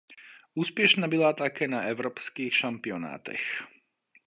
Úspěšná byla také na evropských šampionátech.